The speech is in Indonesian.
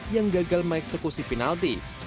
yang gagal mengeksekusi penalti